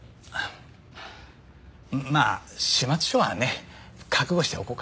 まあ始末書はね覚悟しておこうか。